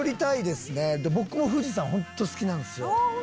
で僕も富士山ホント好きなんですよ。